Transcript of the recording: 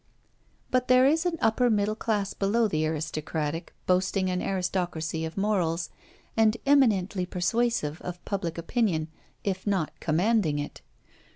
But there is an upper middle class below the aristocratic, boasting an aristocracy of morals, and eminently persuasive of public opinion, if not commanding it.